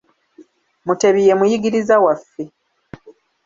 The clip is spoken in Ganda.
Mutebi ye muyigiriza waffe.